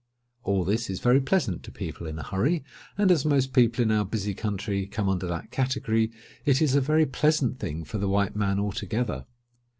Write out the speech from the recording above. All this is very pleasant to people in a hurry; and as most people in our busy country come under that category, it is a very pleasant thing for the white man altogether.